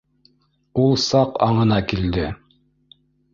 Ул саҡ аңына килде